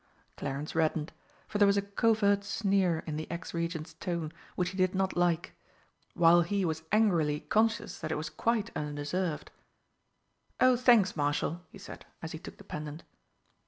Clarence reddened for there was a covert sneer in the ex Regent's tone which he did not like, while he was angrily conscious that it was quite undeserved. "Oh thanks, Marshal," he said as he took the pendant.